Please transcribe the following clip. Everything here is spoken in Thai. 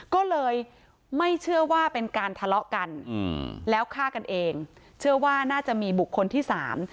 ก็เลยไม่เชื่อว่าเป็นการทะเลาะกันอืมแล้วฆ่ากันเองเชื่อว่าน่าจะมีบุคคลที่สาม